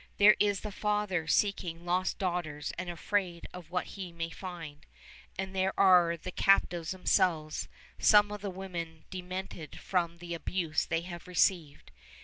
There is the father seeking lost daughters and afraid of what he may find; and there are the captives themselves, some of the women demented from the abuse they have received.